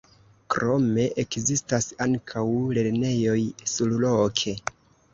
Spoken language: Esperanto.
Krome ekzistas ankaŭ lernejoj surloke.